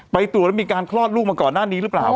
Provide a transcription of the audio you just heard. ตรวจแล้วมีการคลอดลูกมาก่อนหน้านี้หรือเปล่า